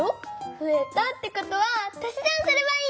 ふえたってことはたし算すればいいんだよ！